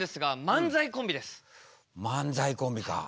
漫才コンビか。